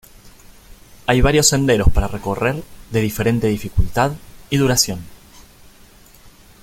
Hay varios senderos para recorrer, de diferente dificultad y duración.